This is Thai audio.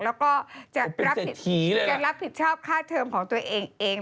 แล้วก็จะรับผิดชอบค่าเทอมของตัวเองเอง